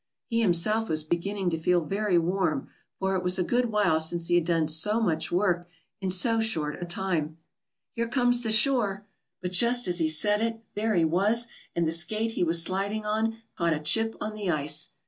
He himself was beginning to feel very warm, for it was a good while since he had done so much work in so short a time. "Here comes the shore!" But just as he said it, there he was, and the skate he was sliding on caught in a chip on the ice.